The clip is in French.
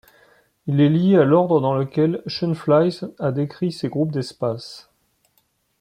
Il est lié à l'ordre dans lequel Shoenflies a décrit ces groupes d'espace.